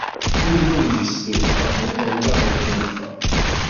Ul ur yestufa ma d allaɣ iɣunfa.